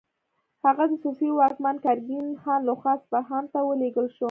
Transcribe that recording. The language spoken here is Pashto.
هغه د صفوي واکمن ګرګین خان لخوا اصفهان ته ولیږل شو.